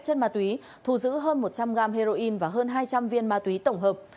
chất ma túy thu giữ hơn một trăm linh g heroin và hơn hai trăm linh viên ma túy tổng hợp